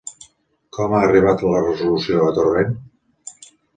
Com ha arribat la resolució a Torrent?